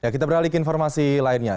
kita beralih ke informasi lainnya